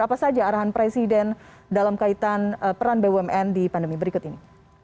apa saja arahan presiden dalam kaitan peran bumn di pandemi berikut ini